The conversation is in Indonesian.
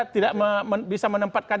tidak bisa menempatkan